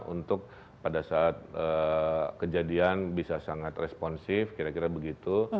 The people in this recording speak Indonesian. untuk pada saat kejadian bisa sangat responsif kira kira begitu